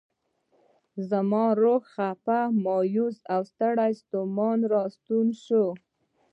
زما روح خفه، مایوس او ستړی ستومان راستون شي.